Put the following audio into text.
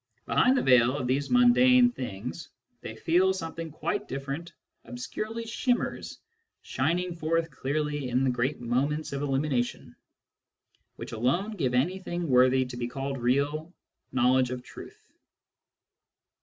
Behind the veil of these mundane things, they feel, something quite different obscurely shimmers, shining forth clearly in the great moments of illumination, which alone give anything worthy to be called real knowledge of truth.